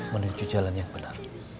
menuju jalan yang benar